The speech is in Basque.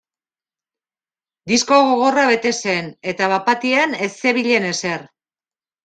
Disko gogorra bete zen eta bat batean ez zebilen ezer.